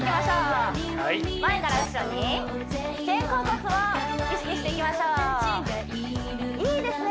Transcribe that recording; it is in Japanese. はい前から後ろに肩甲骨を意識していきましょういいですね